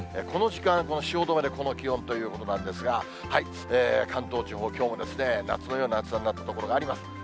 この時間、汐留でこの気温ということなんですが、関東地方、きょうも夏のような暑さになった所があります。